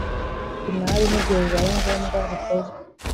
imari n igihe bibaye ngombwa rikozwe